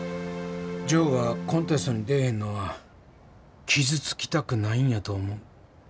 ジョーがコンテストに出えへんのは傷つきたくないんやと思う。